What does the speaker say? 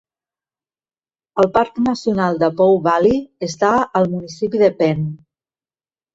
El parc nacional de Poe Valley està al municipi de Penn.